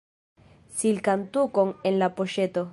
Silkan tukon en la poŝeto.